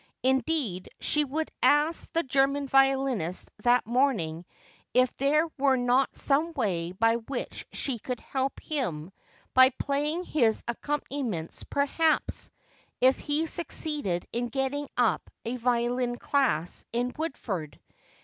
Indeed she would ask the German violinist that morning if there were not some way by which she could help him, by playing his accompaniments, perhaps, if he succeeded in getting up a violin class in Woodford.